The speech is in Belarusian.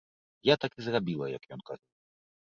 Я так і зрабіла, як ён казаў.